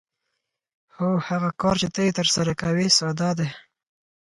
خو هغه کار چې ته یې ترسره کوې ساده دی